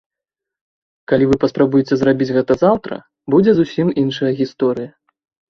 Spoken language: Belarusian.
Калі вы паспрабуеце зрабіць гэта заўтра, будзе зусім іншая гісторыя.